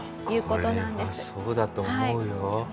これはそうだと思うよ。